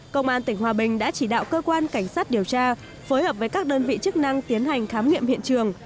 công an tỉnh hòa bình đã chỉ đạo cơ quan cảnh sát điều tra phối hợp với các đơn vị chức năng tiến hành khám nghiệm hiện trường